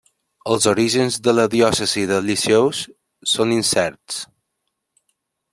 Els orígens de la diòcesi de Lisieux són incerts.